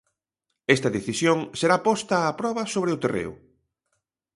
Esta decisión será posta a proba sobre o terreo.